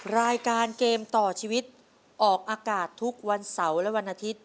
รายการเกมต่อชีวิตออกอากาศทุกวันเสาร์และวันอาทิตย์